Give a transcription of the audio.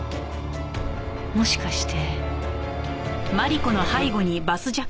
もしかして。